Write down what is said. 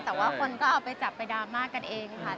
แต่ว่าคนก็เอาไปจับไปดราม่ากันเองค่ะ